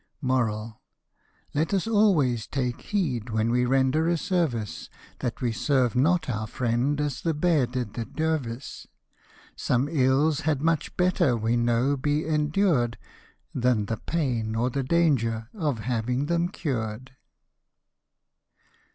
Let us always take heed, when we render a service, That we serve not our friend as the bear did the der vise: Some ills had much better, we know, be endured, Than the pain, or the danger, of having them cured.